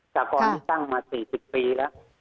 สาคอนตั้งมาสี่สิบปีแล้ว